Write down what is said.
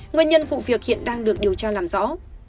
nguyên nhân vụ việc hiện đang được điều tra làm rõ